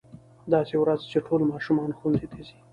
داسې ورځ چې ټول ماشومان ښوونځي ته ځي.